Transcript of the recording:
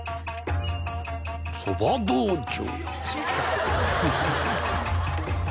そば道場。